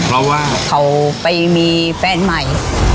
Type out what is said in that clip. เพราะว่าเขาไปมีแฟนใหม่